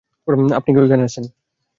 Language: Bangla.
আপনি কি ওইখানে আছেন?